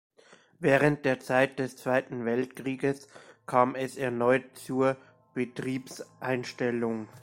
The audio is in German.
Während der Zeit des Zweiten Weltkrieges kam es erneut zur Betriebseinstellung.